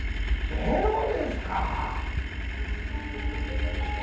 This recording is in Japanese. ゼロですか！